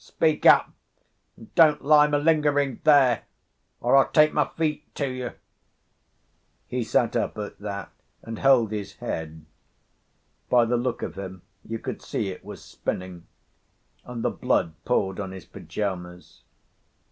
"Speak up, and don't lie malingering there, or I'll take my feet to you." He sat up at that, and held his head—by the look of him you could see it was spinning—and the blood poured on his pyjamas.